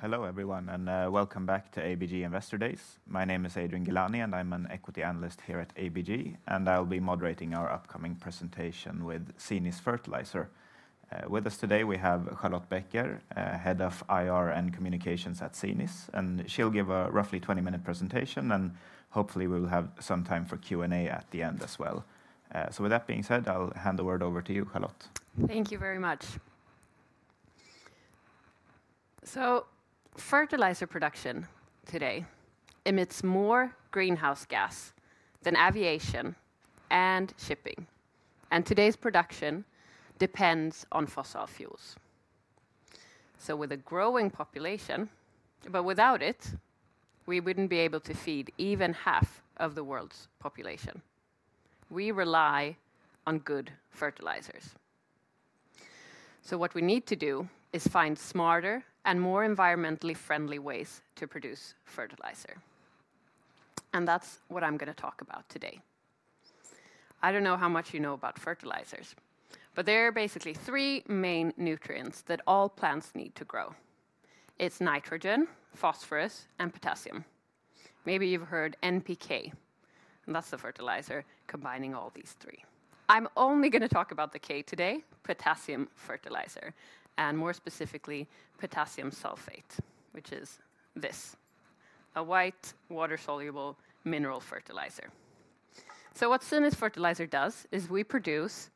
Hello everyone, welcome back to ABG Investor Days. My name is Adrian Gilani. I'm an equity analyst here at ABG. I'll be moderating our upcoming presentation with Cinis Fertilizer. With us today, we have Charlotte Becker, head of IR and communications at Cinis. She'll give a roughly 20-minute presentation. Hopefully we'll have some time for Q&A at the end as well. With that being said, I'll hand the word over to you, Charlotte. Thank you very much. Fertilizer production today emits more greenhouse gas than aviation and shipping. Today's production depends on fossil fuels. With a growing population, without it, we wouldn't be able to feed even half of the world's population. We rely on good fertilizers. What we need to do is find smarter and more environmentally friendly ways to produce fertilizer. That's what I'm going to talk about today. I don't know how much you know about fertilizers. There are basically three main nutrients that all plants need to grow. It's nitrogen, phosphorus, and potassium. Maybe you've heard NPK. That's the fertilizer combining all these three. I'm only going to talk about the K today, potassium fertilizer. More specifically, potassium sulfate, which is this: a white water-soluble mineral fertilizer. What Cinis Fertilizer does is we produce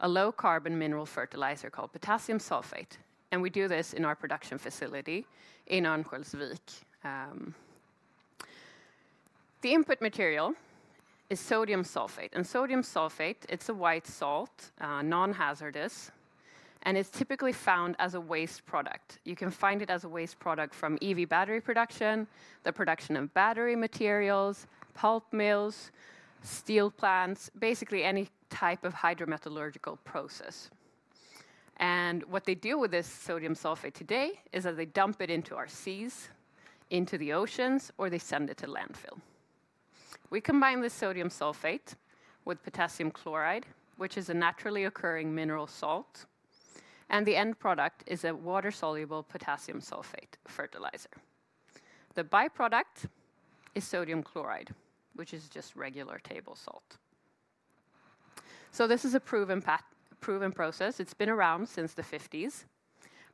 a low-carbon mineral fertilizer called potassium sulfate. We do this in our production facility in Örnsköldsvik. The input material is sodium sulfate. Sodium sulfate, it's a white salt, non-hazardous. It's typically found as a waste product. You can find it as a waste product from EV battery production, the production of battery materials, pulp mills, steel plants, basically any type of hydrometallurgical process. What they do with this sodium sulfate today is that they dump it into our seas, into the oceans, or they send it to landfill. We combine the sodium sulfate with potassium chloride, which is a naturally occurring mineral salt. The end product is a water-soluble potassium sulfate fertilizer. The by-product is sodium chloride, which is just regular table salt. This is a proven process. It's been around since the '50s.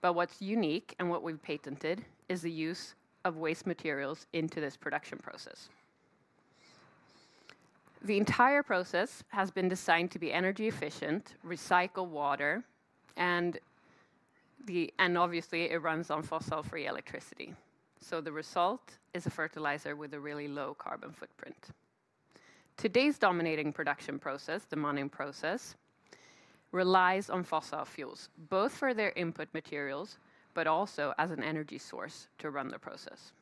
What's unique, what we've patented, is the use of waste materials into this production process. The entire process has been designed to be energy efficient, recycle water. Obviously, it runs on fossil-free electricity. The result is a fertilizer with a really low carbon footprint. Today's dominating production process, the Mannheim process, relies on fossil fuels, both for their input materials, also as an energy source to run the process.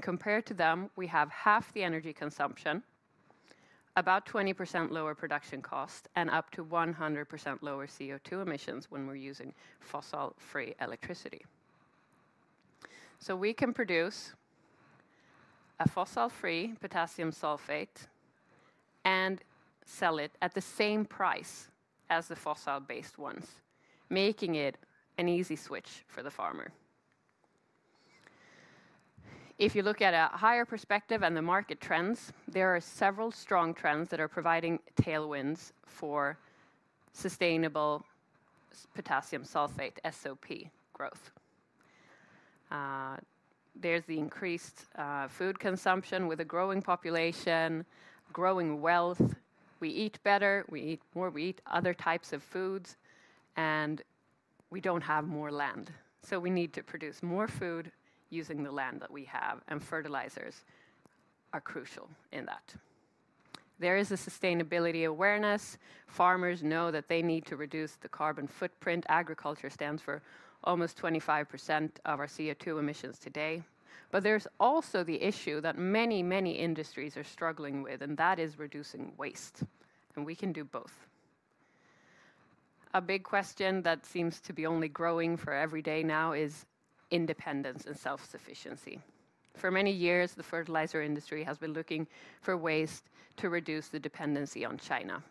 Compared to them, we have half the energy consumption, about 20% lower production cost, up to 100% lower CO2 emissions when we're using fossil-free electricity. We can produce a fossil-free potassium sulfate, sell it at the same price as the fossil-based ones, making it an easy switch for the farmer. If you look at a higher perspective and the market trends, there are several strong trends that are providing tailwinds for sustainable potassium sulfate, SOP, growth. There's the increased food consumption with a growing population, growing wealth. We eat better, we eat more, we eat other types of foods, and we don't have more land. We need to produce more food using the land that we have, and fertilizers are crucial in that. There is a sustainability awareness. Farmers know that they need to reduce the carbon footprint. Agriculture stands for almost 25% of our CO2 emissions today. There's also the issue that many industries are struggling with, and that is reducing waste, and we can do both. A big question that seems to be only growing for every day now is independence and self-sufficiency. For many years, the fertilizer industry has been looking for ways to reduce the dependency on China.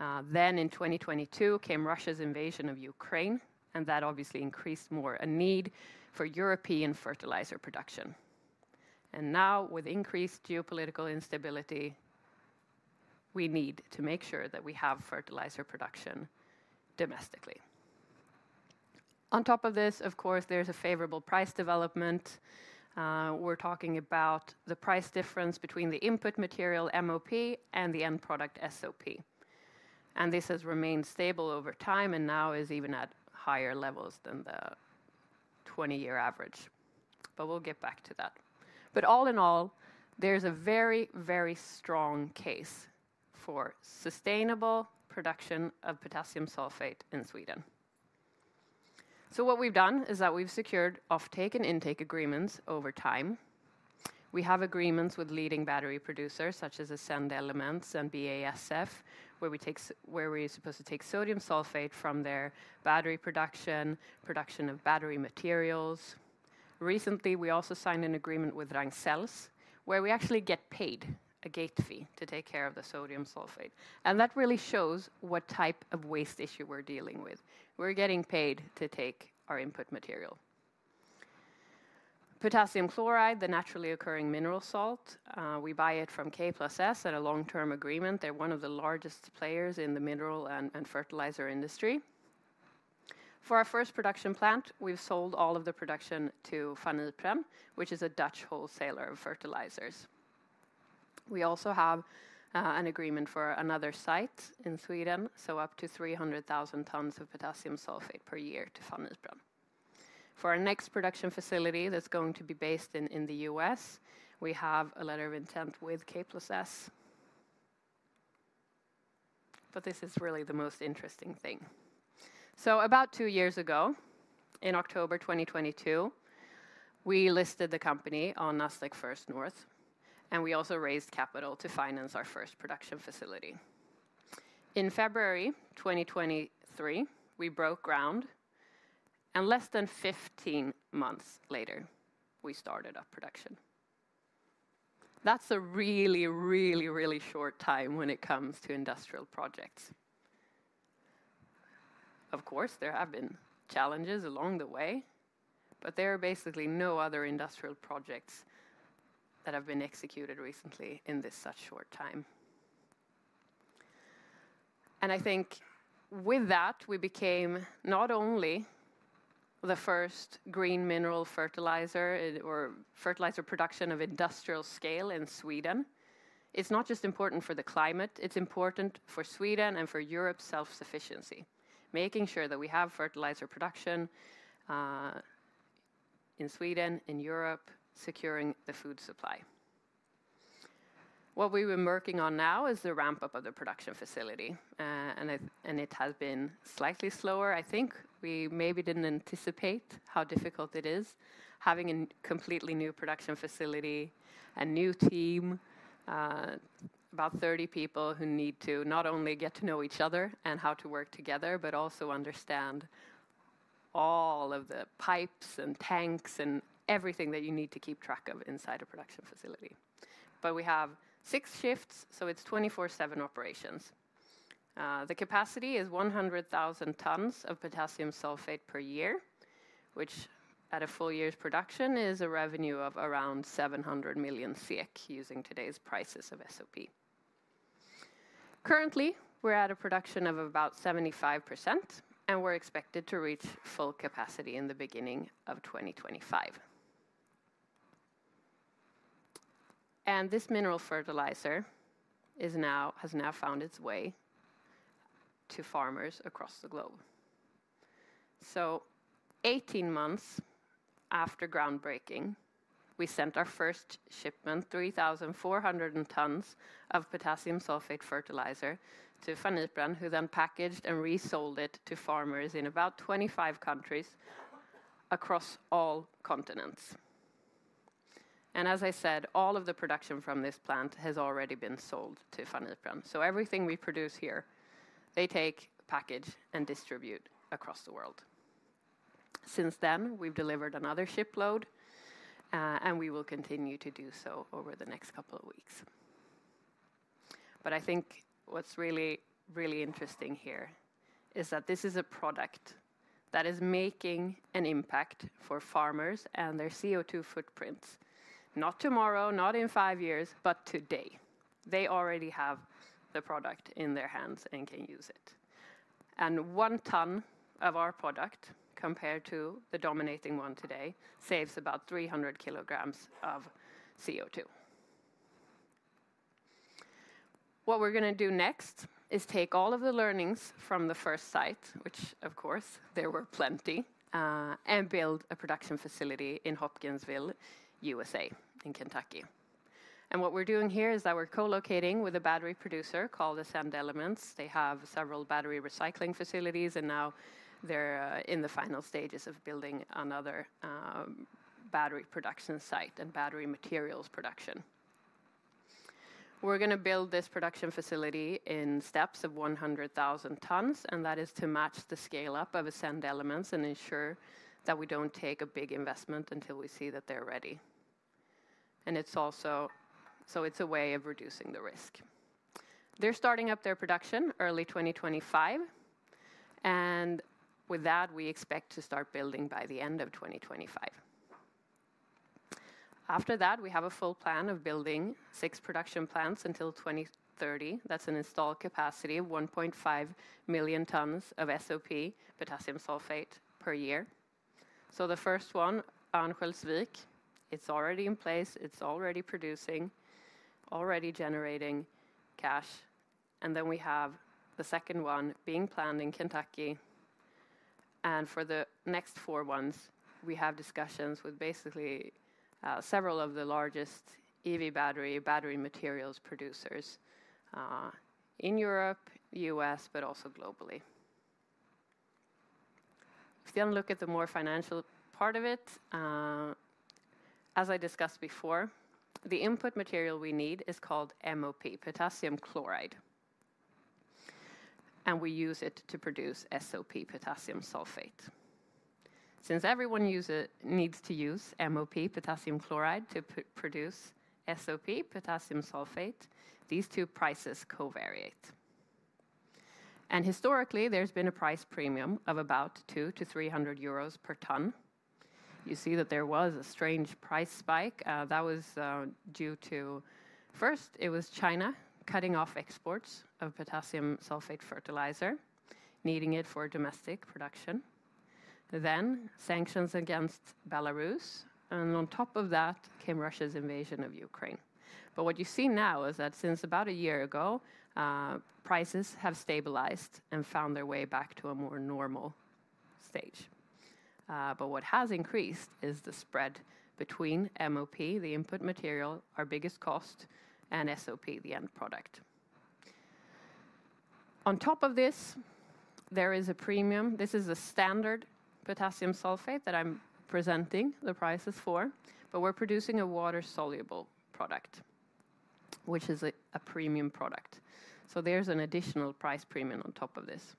In 2022 came Russia's invasion of Ukraine, and that obviously increased more a need for European fertilizer production. Now with increased geopolitical instability, we need to make sure that we have fertilizer production domestically. On top of this, of course, there's a favorable price development. We're talking about the price difference between the input material, MOP, and the end product, SOP. This has remained stable over time and now is even at higher levels than the 20-year average, we'll get back to that. All in all, there's a very strong case for sustainable production of potassium sulfate in Sweden. What we've done is that we've secured offtake and intake agreements over time. We have agreements with leading battery producers such as Ascend Elements and BASF, where we're supposed to take sodium sulfate from their battery production of battery materials. Recently, we also signed an agreement with Ragn-Sells, where we actually get paid a gate fee to take care of the sodium sulfate. That really shows what type of waste issue we're dealing with. We're getting paid to take our input material. Potassium chloride, the naturally occurring mineral salt. We buy it from K+S at a long-term agreement. They're one of the largest players in the mineral and fertilizer industry. For our first production plant, we've sold all of the production to Van Iperen, which is a Dutch wholesaler of fertilizers. We also have an agreement for another site in Sweden, up to 300,000 tons of potassium sulfate per year to Van Iperen. For our next production facility that's going to be based in the U.S., we have a letter of intent with K+S. This is really the most interesting thing. About two years ago, in October 2022, we listed the company on Nasdaq First North, we also raised capital to finance our first production facility. In February 2023, we broke ground, less than 15 months later, we started our production. That's a really short time when it comes to industrial projects. Of course, there have been challenges along the way, there are basically no other industrial projects that have been executed recently in such a short time. I think with that, we became not only the first green mineral fertilizer or fertilizer production of industrial scale in Sweden. It's not just important for the climate, it's important for Sweden and for Europe's self-sufficiency, making sure that we have fertilizer production in Sweden, in Europe, securing the food supply. What we've been working on now is the ramp-up of the production facility. It has been slightly slower, I think. We maybe didn't anticipate how difficult it is having a completely new production facility, a new team, about 30 people who need to not only get to know each other and how to work together, but also understand all of the pipes and tanks and everything that you need to keep track of inside a production facility. We have six shifts, so it's 24/7 operations. The capacity is 100,000 tons of potassium sulfate per year, which at a full year's production is a revenue of around 700 million SEK using today's prices of SOP. Currently, we're at a production of about 75%, and we're expected to reach full capacity in the beginning of 2025. This mineral fertilizer has now found its way to farmers across the globe. 18 months after groundbreaking, we sent our first shipment, 3,400 tons of potassium sulfate fertilizer to Van Iperen, who then packaged and resold it to farmers in about 25 countries across all continents. As I said, all of the production from this plant has already been sold to Van Iperen. Everything we produce here, they take, package, and distribute across the world. Since then, we've delivered another shipload, and we will continue to do so over the next couple of weeks. I think what's really interesting here is that this is a product that is making an impact for farmers and their CO2 footprints. Not tomorrow, not in five years, but today. They already have the product in their hands and can use it. One ton of our product, compared to the dominating one today, saves about 300 kilograms of CO2. What we're going to do next is take all of the learnings from the first site, which of course there were plenty, and build a production facility in Hopkinsville, U.S.A., in Kentucky. What we're doing here is that we're co-locating with a battery producer called Ascend Elements. They have several battery recycling facilities, and now they're in the final stages of building another battery production site and battery materials production. We're going to build this production facility in steps of 100,000 tons, and that is to match the scale-up of Ascend Elements and ensure that we don't take a big investment until we see that they're ready. It's a way of reducing the risk. They're starting up their production early 2025. With that, we expect to start building by the end of 2025. After that, we have a full plan of building six production plants until 2030. That's an installed capacity of 1.5 million tons of SOP, potassium sulfate, per year. The first one, Örnsköldsvik, it's already in place, it's already producing, already generating cash. Then we have the second one being planned in Kentucky. For the next four ones, we have discussions with basically several of the largest EV battery materials producers in Europe, U.S., but also globally. If we then look at the more financial part of it, as I discussed before, the input material we need is called MOP, potassium chloride. We use it to produce SOP, potassium sulfate. Since everyone needs to use MOP, potassium chloride, to produce SOP, potassium sulfate, these two prices co-variate. Historically, there's been a price premium of about 200 to 300 euros per tonne. You see that there was a strange price spike that was due to, first, it was China cutting off exports of potassium sulfate fertilizer, needing it for domestic production. Sanctions against Belarus, on top of that, came Russia's invasion of Ukraine. What you see now is that since about one year ago, prices have stabilized and found their way back to a more normal stage. What has increased is the spread between MOP, the input material, our biggest cost, and SOP, the end product. On top of this, there is a premium. This is a standard potassium sulfate that I'm presenting the prices for, we're producing a water-soluble product, which is a premium product. There's an additional price premium on top of this.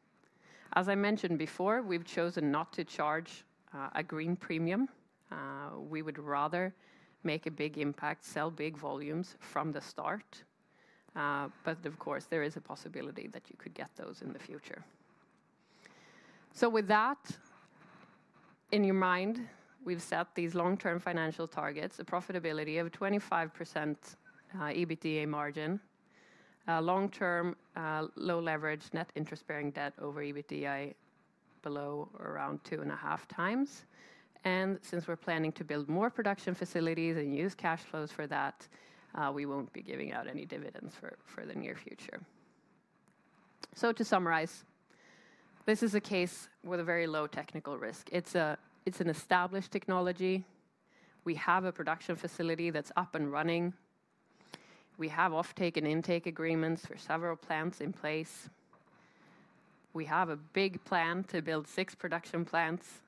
As I mentioned before, we've chosen not to charge a green premium. We would rather make a big impact, sell big volumes from the start. Of course, there is a possibility that you could get those in the future. With that in your mind, we've set these long-term financial targets, a profitability of 25% EBITDA margin, long-term, low leverage net interest-bearing debt over EBITDA below or around 2.5 times. Since we're planning to build more production facilities and use cash flows for that, we won't be giving out any dividends for the near future. To summarize, this is a case with a very low technical risk. It's an established technology. We have a production facility that's up and running. We have offtake and intake agreements for several plants in place. We have a big plan to build six production plants.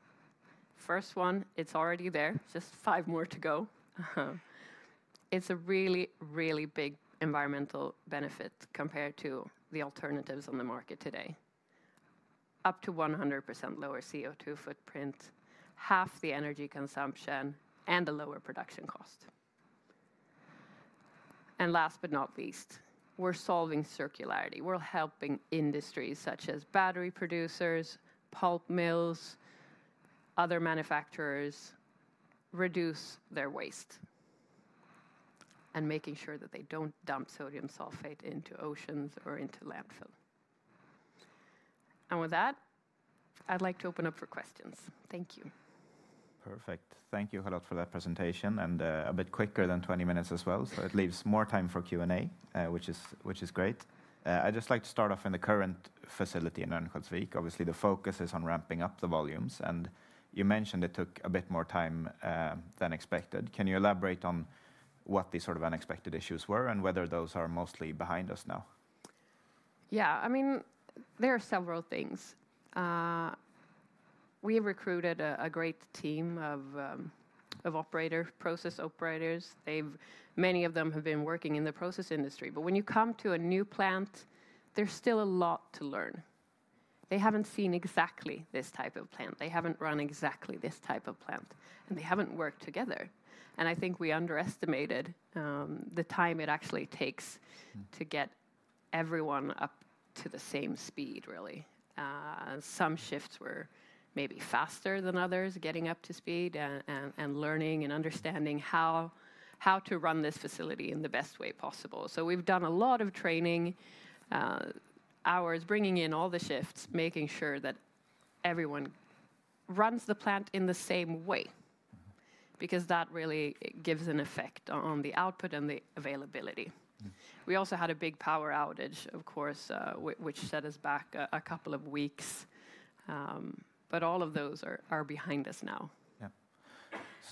First one, it's already there, just five more to go. It's a really big environmental benefit compared to the alternatives on the market today. Up to 100% lower CO2 footprint, half the energy consumption, and a lower production cost. Last but not least, we're solving circularity. We're helping industries such as battery producers, pulp mills, other manufacturers, reduce their waste and making sure that they don't dump sodium sulfate into oceans or into landfill. With that, I'd like to open up for questions. Thank you. Perfect. Thank you a lot for that presentation, a bit quicker than 20 minutes as well, it leaves more time for Q&A, which is great. I'd just like to start off in the current facility in Örnsköldsvik. Obviously, the focus is on ramping up the volumes, you mentioned it took a bit more time than expected. Can you elaborate on what the unexpected issues were, whether those are mostly behind us now? There are several things. We recruited a great team of process operators. Many of them have been working in the process industry. When you come to a new plant, there's still a lot to learn. They haven't seen exactly this type of plant, they haven't run exactly this type of plant, and they haven't worked together. I think we underestimated the time it actually takes to get everyone up to the same speed, really. Some shifts were maybe faster than others, getting up to speed and learning and understanding how to run this facility in the best way possible. We've done a lot of training hours, bringing in all the shifts, making sure that everyone runs the plant in the same way, because that really gives an effect on the output and the availability. We also had a big power outage, of course, which set us back a couple of weeks. All of those are behind us now.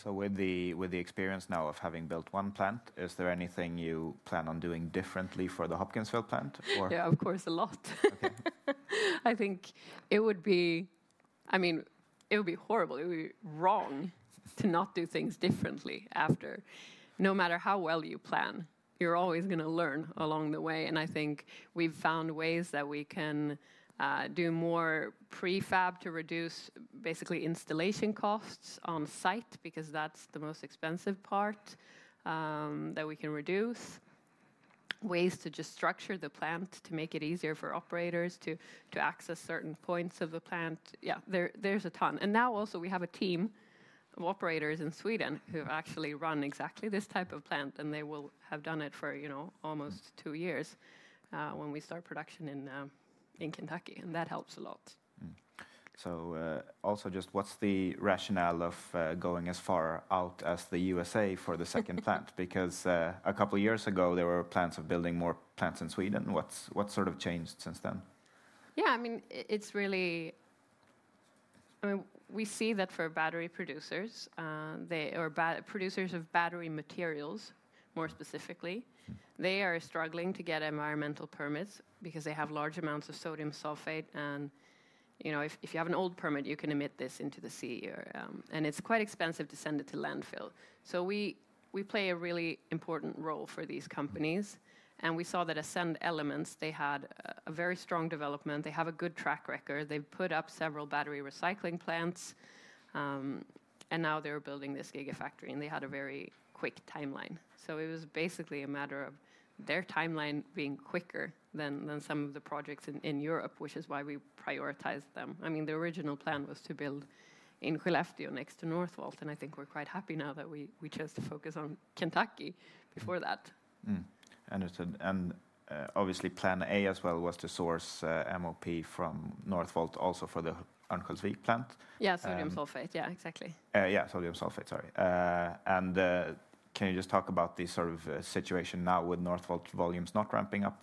With the experience now of having built one plant, is there anything you plan on doing differently for the Hopkinsville plant or? Of course, a lot. Okay. It would be horrible, it would be wrong to not do things differently after. No matter how well you plan, you're always going to learn along the way, and I think we've found ways that we can do more prefab to reduce basically installation costs on site, because that's the most expensive part that we can reduce. Ways to just structure the plant to make it easier for operators to access certain points of the plant. Yeah, there's a ton. Now also we have a team of operators in Sweden who have actually run exactly this type of plant, and they will have done it for almost two years when we start production in Kentucky, and that helps a lot. Also just what's the rationale of going as far out as the USA for the second plant? Because a couple of years ago, there were plans of building more plants in Sweden. What's changed since then? We see that for battery producers, or producers of battery materials, more specifically, they are struggling to get environmental permits because they have large amounts of sodium sulfate, and if you have an old permit, you can emit this into the sea, and it's quite expensive to send it to landfill. We play a really important role for these companies, and we saw that Ascend Elements, they had a very strong development. They have a good track record. They've put up several battery recycling plants, and now they're building this gigafactory, and they had a very quick timeline. It was basically a matter of Their timeline being quicker than some of the projects in Europe, which is why we prioritize them. The original plan was to build in Skellefteå next to Northvolt, and I think we're quite happy now that we chose to focus on Kentucky before that. Understood. Obviously plan A as well was to source MOP from Northvolt, also for the Örnsköldsvik plant. Yeah, sodium sulfate. Yeah, exactly. Yeah, sodium sulfate, sorry. Can you just talk about the situation now with Northvolt volumes not ramping up?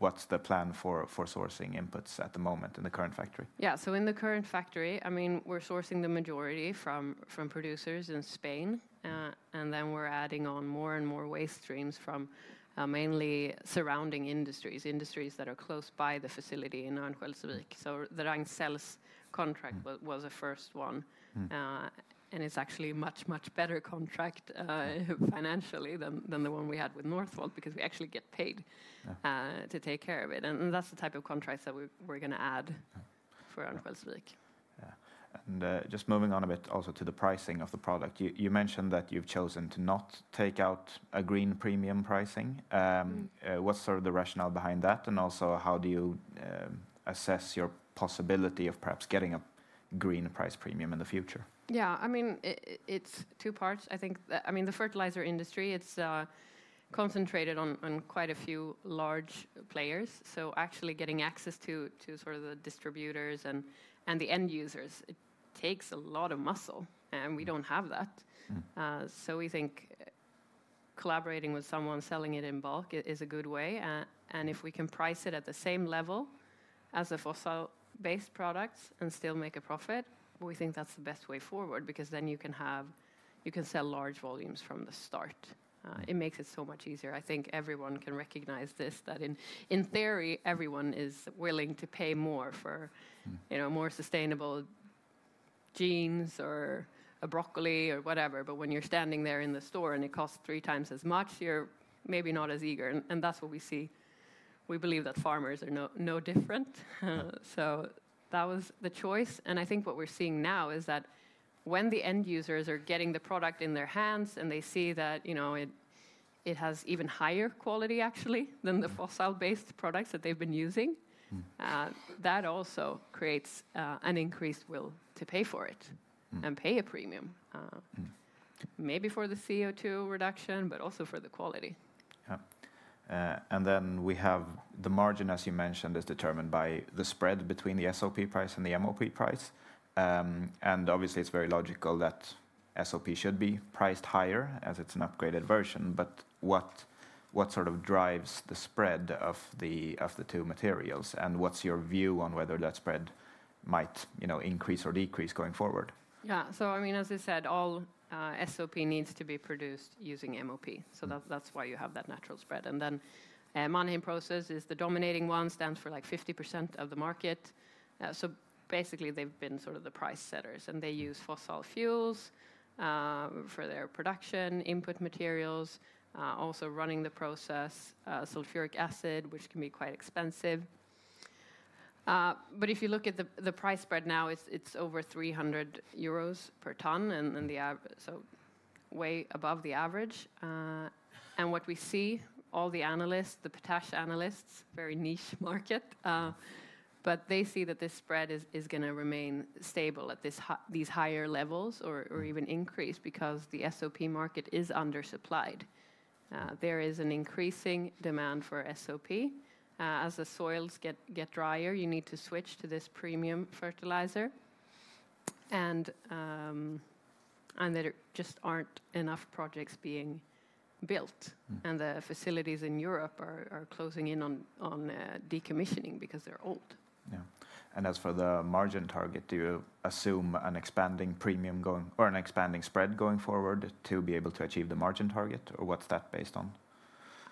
What's the plan for sourcing inputs at the moment in the current factory? Yeah. In the current factory, we're sourcing the majority from producers in Spain. We're adding on more and more waste streams from mainly surrounding industries that are close by the facility in Örnsköldsvik. The Ragn-Sells contract was a first one. It's actually a much, much better contract financially than the one we had with Northvolt, because we actually get paid. Yeah to take care of it. That's the type of contracts that we're going to add for Örnsköldsvik. Yeah. Just moving on a bit also to the pricing of the product. You mentioned that you've chosen to not take out a green premium pricing. What's the rationale behind that, and also how do you assess your possibility of perhaps getting a green price premium in the future? Yeah. It's two parts. The fertilizer industry, it's concentrated on quite a few large players. Actually getting access to the distributors and the end users, it takes a lot of muscle, and we don't have that. We think collaborating with someone selling it in bulk is a good way. If we can price it at the same level as the fossil-based products and still make a profit, we think that's the best way forward, because then you can sell large volumes from the start. It makes it so much easier. I think everyone can recognize this, that in theory, everyone is willing to pay more for more sustainable jeans or a broccoli or whatever. When you're standing there in the store and it costs three times as much, you're maybe not as eager, and that's what we see. We believe that farmers are no different. That was the choice, and I think what we're seeing now is that when the end users are getting the product in their hands and they see that it has even higher quality, actually, than the fossil-based products that they've been using. That also creates an increased will to pay for it. Pay a premium. Maybe for the CO2 reduction, also for the quality. Yeah. We have the margin, as you mentioned, is determined by the spread between the SOP price and the MOP price. Obviously it's very logical that SOP should be priced higher as it's an upgraded version. What drives the spread of the two materials, and what's your view on whether that spread might increase or decrease going forward? Yeah. As I said, all SOP needs to be produced using MOP, so that's why you have that natural spread. Mannheim process is the dominating one, stands for 50% of the market. Basically, they've been the price setters, and they use fossil fuels for their production input materials, also running the process. Sulphuric acid, which can be quite expensive. If you look at the price spread now, it's over 300 euros per ton, so way above the average. What we see, all the analysts, the potash analysts, very niche market, but they see that this spread is going to remain stable at these higher levels or even increase because the SOP market is undersupplied. There is an increasing demand for SOP. As the soils get drier, you need to switch to this premium fertilizer, and there just aren't enough projects being built. The facilities in Europe are closing in on decommissioning because they're old. Yeah. As for the margin target, do you assume an expanding spread going forward to be able to achieve the margin target, or what's that based on?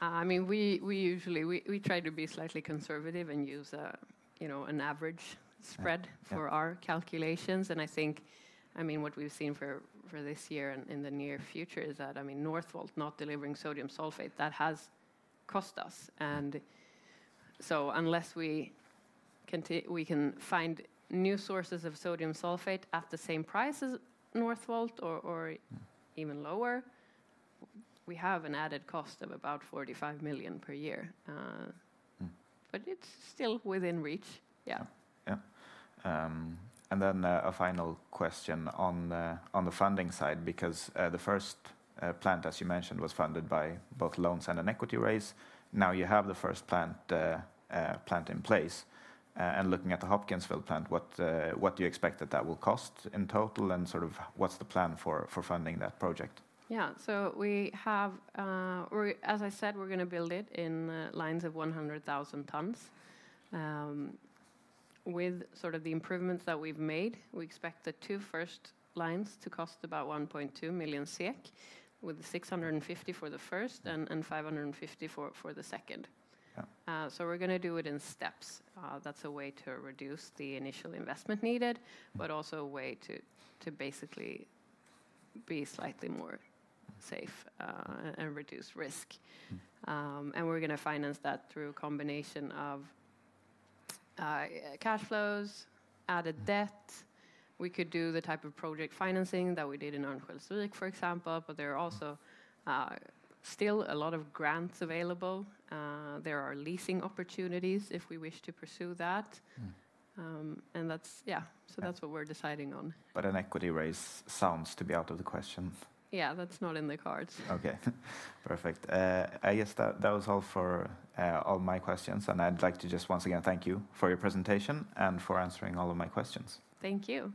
We try to be slightly conservative and use an average spread- Yeah for our calculations, I think what we've seen for this year and in the near future is that Northvolt not delivering sodium sulfate. That has cost us. Unless we can find new sources of sodium sulfate at the same price as Northvolt or even lower, we have an added cost of about 45 million per year. It's still within reach. Yeah. Then a final question on the funding side, because the first plant, as you mentioned, was funded by both loans and an equity raise. Now you have the first plant in place. Looking at the Hopkinsville plant, what do you expect that that will cost in total, and what's the plan for funding that project? As I said, we're going to build it in lines of 100,000 tons. With the improvements that we've made, we expect the 2 first lines to cost about 1.2 million SEK, with the 650 for the first and 550 for the second. Yeah. We're going to do it in steps. That's a way to reduce the initial investment needed, but also a way to basically be slightly more safe and reduce risk. We're going to finance that through a combination of cash flows, added debt. We could do the type of project financing that we did in Örnsköldsvik, for example, but there are also still a lot of grants available. There are leasing opportunities if we wish to pursue that. That's what we're deciding on. An equity raise sounds to be out of the question. Yeah, that's not in the cards. Okay. Perfect. I guess that was all for all my questions. I'd like to just once again thank you for your presentation and for answering all of my questions. Thank you.